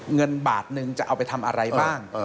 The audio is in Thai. เงินบาทนึงจะเอาไปทำอะไรบ้าง